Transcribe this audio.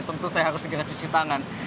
tentu saya harus segera cuci tangan